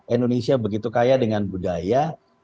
indonesia begitu kaya dengan budaya